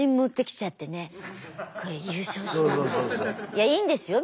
いやいいんですよ